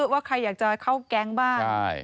ว่าใครอยากจะเข้าแก๊งบ้าง